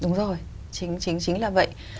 đúng rồi chính là vậy